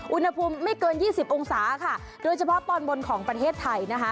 อุณหภูมิไม่เกิน๒๐องศาโดยเฉพาะตอนบนของประเทศไทย